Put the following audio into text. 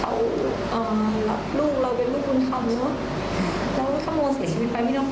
ลูกเราเป็นลูกบุญธรรมเนอะ